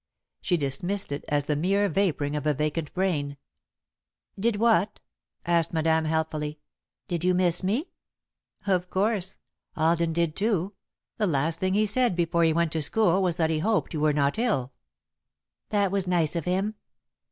She dismissed it as the mere vapouring of a vacant brain. "Did what?" asked Madame, helpfully. "Did you miss me?" "Of course. Alden did too. The last thing he said before he went to school was that he hoped you were not ill." "That was nice of him."